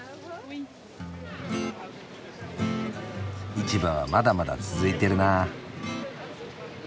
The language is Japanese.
市場はまだまだ続いてるな。